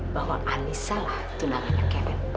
bahwa anissa lah tunangannya kevin